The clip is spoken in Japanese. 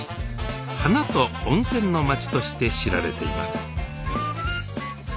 「花と温泉の町」として知られています